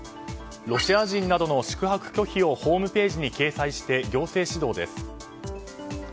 ロシア人などの宿泊拒否をホームページに掲載して行政指導です。